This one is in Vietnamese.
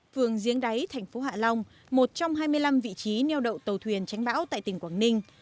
phường giếng đáy thành phố hạ long một trong hai mươi năm vị trí neo đậu tàu thuyền tránh bão tại tỉnh quảng ninh